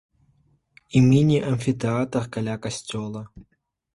І міні-амфітэатр каля касцёла.